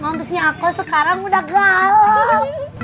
mampusnya aku sekarang udah galap